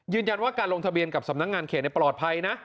ยืนยันว่าการลงทะเบียนกับสำนักงานเขตปลอดภัยนะ